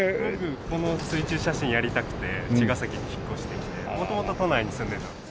この水中写真やりたくて茅ヶ崎に引っ越してきて元々都内に住んでたんです。